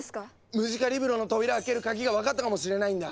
ムジカリブロの扉を開ける鍵がわかったかもしれないんだ！